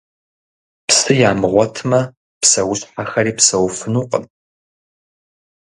Псы ямыгъуэтмэ, псэущхьэхэри псэуфынукъым.